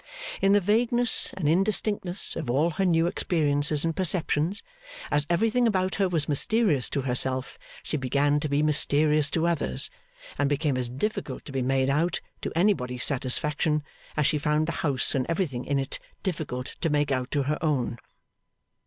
In the vagueness and indistinctness of all her new experiences and perceptions, as everything about her was mysterious to herself she began to be mysterious to others: and became as difficult to be made out to anybody's satisfaction as she found the house and everything in it difficult to make out to her own.